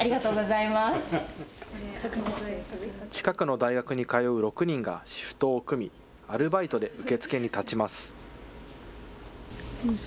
近くの大学に通う６人がシフトを組み、アルバイトで受付に立ちます。